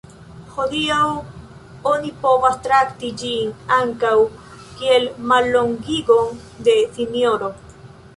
Hodiaŭ oni povas trakti ĝin ankaŭ kiel mallongigon de sinjoro.